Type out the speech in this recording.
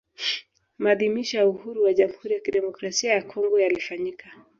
Maadhimisho ya uhuru wa Jamhuri ya Kidemokrasia ya Kongo yalifanyika